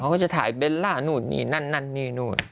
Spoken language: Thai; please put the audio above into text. เขาก็จะถ่ายเบลล่านู่นนี่นั่นนั่นนี่นู่น